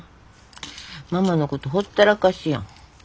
ママのことほったらかしや。